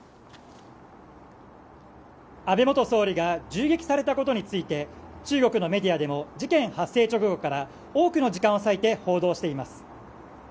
安倍元総理が銃撃されたことについて中国のメディアでも事件発生直後から多くの時間を割いて報道しています。